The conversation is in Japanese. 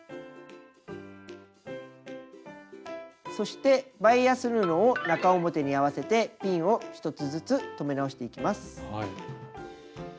そしてバイアス布を中表に合わせてピンを１つずつ留め直していきます。